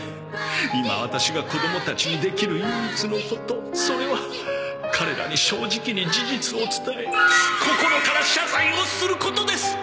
今ワタシが子供たちにできる唯一のことそれは彼らに正直に事実を伝え心から謝罪をすることです！